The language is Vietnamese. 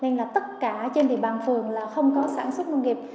nên là tất cả trên địa bàn phường là không có sản xuất nông nghiệp